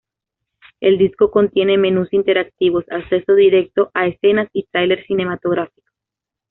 El disco contiene menús interactivos, acceso directo a escenas y tráiler cinematográfico.